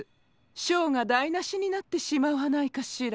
ショーがだいなしになってしまわないかシラ。